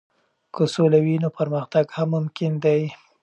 که سوله وي، نو پرمختګ هم ممکن دی.